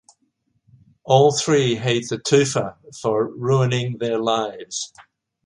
All three hate the Tufa for ruining their lives.